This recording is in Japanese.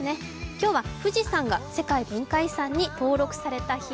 今日は富士山が世界文化遺産に登録された日。